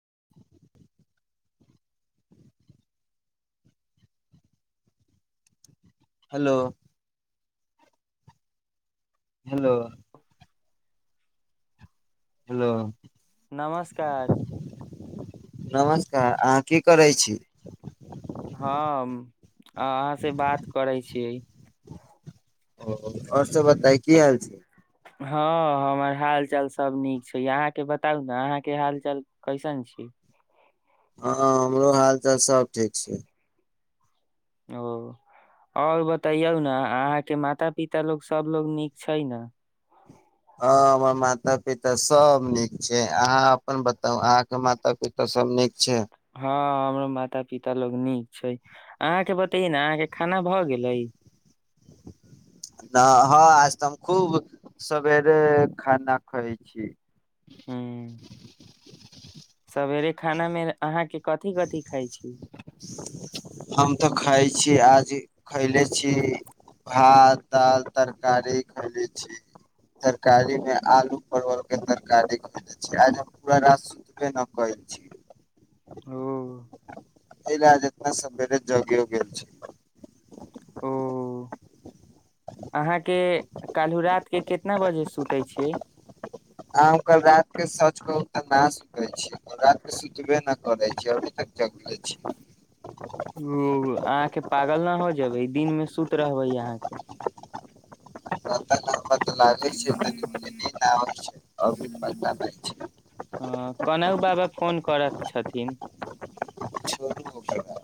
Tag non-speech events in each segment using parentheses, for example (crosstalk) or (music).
(inaudible) Hello hello hello नमस्कार नमस्कार अहाँ की करै छी हँ अहाँ से बात करै छियै ओ और सब बता की हाल छै हँ हमर हाल चाल सब नीक छै अहाँके बताउ ने अहाँके हाल चाल कैसन छी हँ हमरो हाल चाल सब ठीक छै ओ और बतैयौ ने अहाँके माता पिता लोक सभलोग नीक छै ने ह हमर माता पिता सब नीक छै अहाँ अपन बताउ अहाँके माता पिता सब नीक छै हँ हमरो माता पिता लोग नीक छै अहाँके बतै ने अहाँके खाना भऽ गेलै न हँ आज तऽ हम खूब सबेरे खाना खाइ छी हुँम सबेरे खाना मे अहाँके कथि कथि खाइ छी हम तऽ खाइ छी कि आज खैले छी भात दाल तरकारी खैले छी तरकारी मे आलू परवल के तरकारी खैले छी आज हम पूरा रात सुतबे न कैले छी ओ एहि आज इतना सबेर जगयो गेल छै ओ अहाँके कलहु रात के कितना बजे सुतै छियै अह ओकर रात के सौच कहू तऽ न सुतै छी रात के सुतबे नहि करै छै अभी तक जग छी दिनमे सुत रहबै अहाँके रा त बदलाै छैै छै आओर भी बदलाै छै कोनाहु बाबा फोन करैत छथिन छोड़ू ओकरा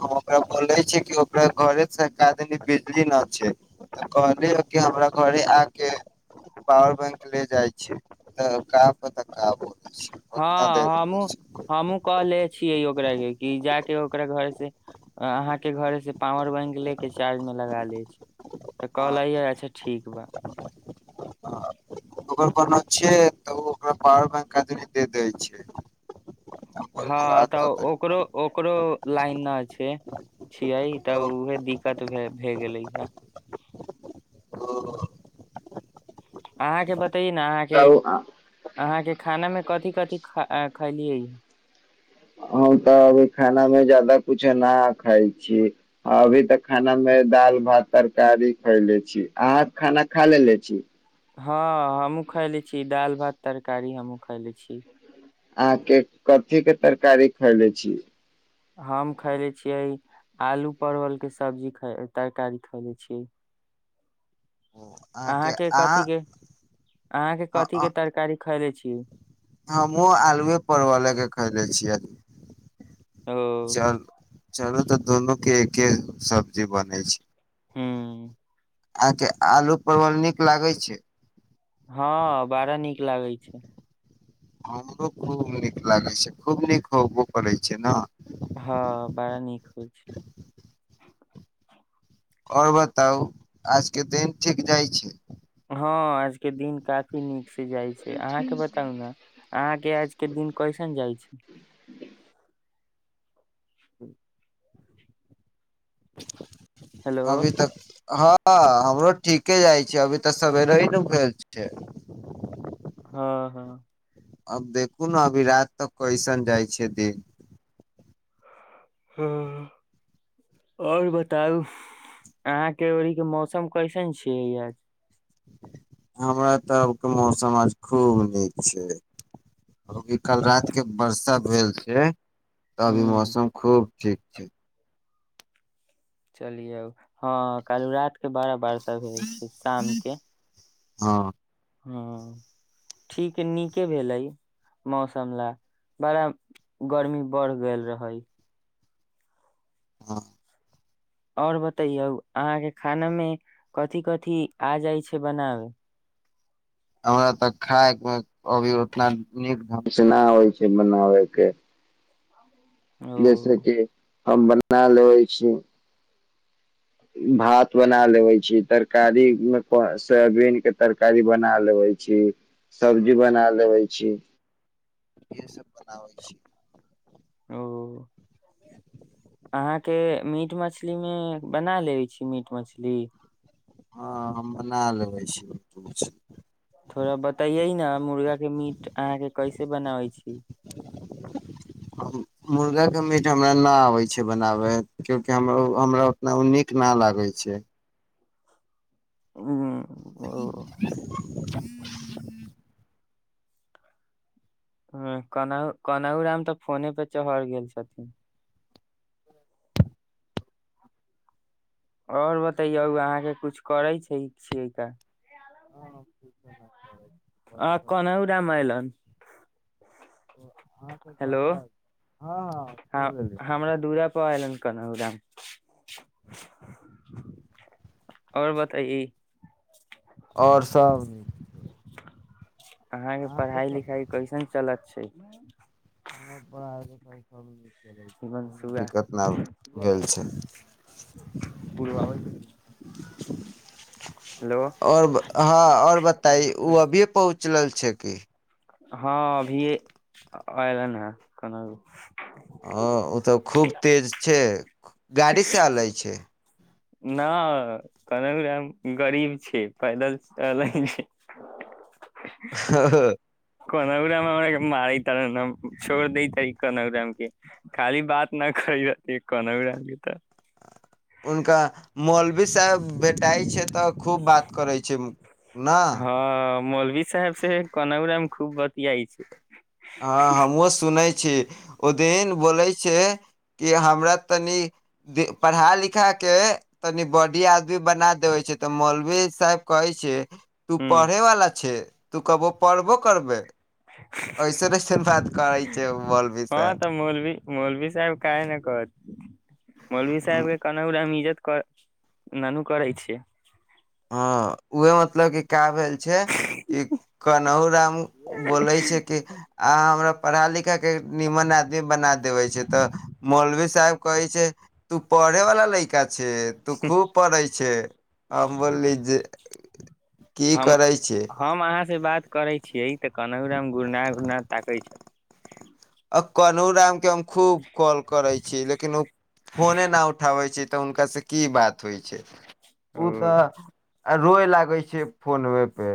हम ओकरा बोले छी कि ओकरा घरे से द बिजली नहि छै तऽ कहलिय कि हमरा घरे आके पॉावर बैंक ले जाइ छै तऽका पतक हँ हमूँ हमहुँ कहले छियै यो कहबै कि जा कऽ ओकरा घरेसँ अहाँके घरेसँ पावर बैंक ले के चार्जमे लगा लैत छी तऽ हँ कहलैैय अच्छा ठीक बा ओकर कोनो छिय तऽ ओ ओकरा पावर बैंक आदमी दे दैत छै हम बोललियै हँ तऽ ओकरो ओकरो लाइन न छै छियै तऽ उहे दिक्कत भ भए गेलै ह अहाँके बत तहि न अहाँके तब अहाँके खाना मे कथि कथि ख आंय खलियै य हम तऽ अभी खाना मे जादा कुछ न खाय छी अभी तऽ खाना मे दाल भात तरकारी खैले छी अहाँ खाना खा लेे‌ले छी हँ हमहूँ खयले छी दाल भात तरकारी हमहूँ खयले छी अहाँ के कथी के तरकारी खैले छी हम खैले छियै आलू परवलके सब्जी ख तरकारी खैले छियै अहाँ अहाँके के कथी के अहाँ के कथी के तरकारी खैले छी छी हमहूँ आलुए परवल ले के खैले छियै ओ चल चलू तऽ दुनू के एके सब्जी बनै छै हूँ अहाँके आलू परवल नीक लागै छै हँ बड़ा नीक लागै छै हमरो खूब नीक लागै छै खूब नीक होबो करै छै न हँ बड़ा नीक होइ छै आओर बताउ आज के दिन ठीक जाइ छै हँ आज के दिन काफी नीक से जाइ छै अहाँके बताउ ने अहाँ के आज के दिन कैसन जाइ छै ह्म (inaudible) हेलो (inaudible) अभी तक हँ हमरो ठीके जाइ छै अभी तऽ सवेरे ही नु भेल छै हँ हँ अब देखू न अभी रात तक कैसन जाइ छै देिन हँ आओर बताउ अहाँके ओरीके मौसम कैसन छियै आज हमरा तरफके मौसम आज खूब नीक छै अभी कल रात के बर्षा भेल छै तभी ह मौसम खूब ठीक छै चलियौ हँ कालु रात के बारा बर्षा होइ छै शामके हँ ह ठीक नीके भेलै मौसम ला बड़ा गर्मी बढ़ गेल रहै हँ आओर बतैयौ अहाँके खानामे कथि कथि आ जाइ छै बनाबै हमरा तऽ खायके अभी उतना नीक ढंग से नहि आबै छै बनाबै के ओ जैसेकि हम बना लेबै छी भात बना लेबे छी तरकारी मे को सोबीनक के तरकारी बना लेबे छी सब्जी बना लेबे छी इह सब बनाबै छी ओ अहाँके मीट मछलीमे बना लेबै छी मीट मछली हँ हम बना लेबै छि थोड़ा बतैयै ने मुर्गा के मीट अहाँके कैसे बनाबै छी मुर्गाके मीट हमरा ना आबै छै बनाबय क्यूकि हम हमरा उतना ओ नीक नहि लागै छै हुँ ह ह कोनाहु कोनहु राम तऽ फोने पे चढ़ गेल छथिन और बतैयौ अहाँके कुछु करै छै छियै क हँ करै आ बैठल कोन रामायलन (inaudible) हँ हेलो घरे हय हँ हाँ ह सुन लेलि हमरा दूरा पर अयलन कनहु राम ह आओर बताइए आओर सब अहाँ के अहाँके पढ़ाई सब लिखाई कैसन चलत छै पढ़ाय लिखाय हेलो भेल छै आओर उचलल छै कि हँ अभी अयलन है कोना ह ओ तऽ खूब तेज छै गाड़ीसँ अलै छै ना कहलु गरीब छै पैदल चलै छै हुनका कोनाागुर हमरा मारि त छोड़ दै त कनवरााम के खाली बात न कर त कनवरााम के तऽ हुनका मौलवी साहब भेटाइ छै तऽ खूब बात करै छै न हँ मौलवी साहेब से कनाउरामे खूब बतियाइ छै हँ हम सुनै छी छी ओदीन बोलै छै कि हमरा तनि पढ़ा लिखा के तनि बॉडी आदमी भी बना देबे छै तऽ मौलवी साहब कहै छै तू ह पढ़ेवाला छै तू कहबो पढ़बो करबै ऐसन ऐसन बात करै छै मौलवी हँ साहब तऽ मौलवी मौलवी सााहब कय न कहत मौलवी साहेबके के कनाउरामे ननू करै छिय ह उह मतलब क का भेल छै ई कनहु राम बोलै छै कि अहाँ हमरा पढ़ा लिखा के निमन आदमी बना देवे छै तऽ मौलवी साहेब कहै छै तू पढ़े वाला लैका छै तु खुब पढ़य छै सब से ज हम हम अहाँ से बात करै छियै तऽ कनमे गुरनाथ उुरना ताकै छै आ कनु राम के हम खूब कॉल करै छी लेकिन ओ फोने न उठाबै छै तऽ हुनका से की बात होइ छै ओ तऽ ओ आ रोए लागै छै फोन ओेपर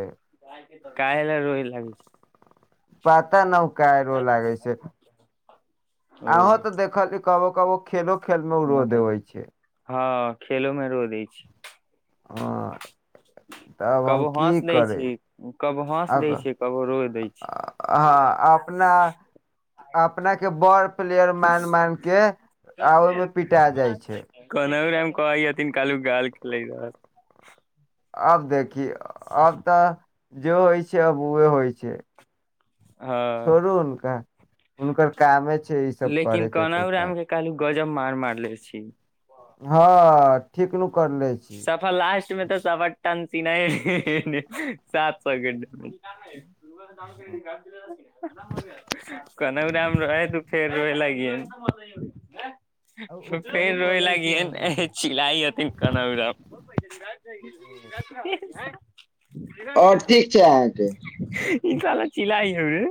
काहे ल रोए लागै छै पता नक काहे रो लागै छै ओ अहो तऽ देखलिय कबो कबो खेलो खेल मे रो देबे छै खेलोमे रो द छै आ कबो हस दै छै कबो हस दै हँ छै कबो रो दै छै अपना अपना के बड़ प्लेयर मान मान के आ ओहिमे पिटा जाइ छै कहैन काल लै जा आब देख कि आब तऽ ज होइ छै अबुए होइ छै हँ छोड़ू हुनका हुनकर कामे छै ई सब लेकिन करे के कहनाउ तऽ रामके काली गजब मार मारले छी हँ ठिकनू सफर लास्ट मे तऽ सभटन किनए हे हे हे सात सौ कोनहु दाम रहै तू फेर रोए लागिय आ उ फेनू फेर रोए बोलै छै ओने लागिय से चिलाई हथिन रात (unintelligible) आंय आओर ठीक छै अहाँ के ई साला चिलाइ होबे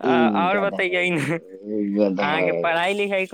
आ ई आओर बतैये ने अहाँके बताउ। पढ़ाई लिखाई कोन